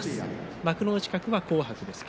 幕内格は紅白です。